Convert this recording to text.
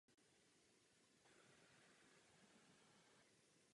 Stanice má jen jeden vchod zdobený původním secesním zábradlím.